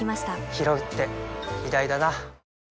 ひろうって偉大だな